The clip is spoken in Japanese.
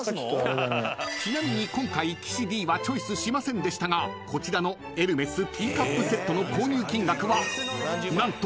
［ちなみに今回岸Ｄはチョイスしませんでしたがこちらのエルメスティーカップセットの購入金額は何と］